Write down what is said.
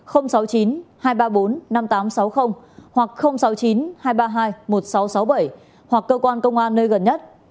hoặc sáu mươi chín hai trăm ba mươi hai một nghìn sáu trăm sáu mươi bảy hoặc cơ quan công an nơi gần nhất